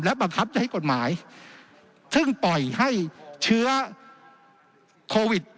บังคับจะให้กฎหมายซึ่งปล่อยให้เชื้อโควิด